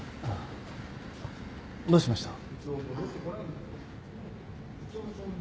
どうしました？あっ。